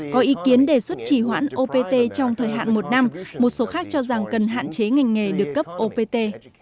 có ý kiến đề xuất chỉ hoãn opt trong thời hạn một năm một số khác cho rằng cần hạn chế ngành nghề được cấp opt